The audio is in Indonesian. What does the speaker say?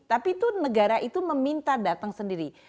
tapi itu negara itu meminta datang sendiri